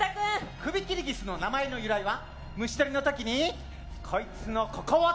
クビキリギスの名前の由来は虫とりの時にこいつのここを捕まえて。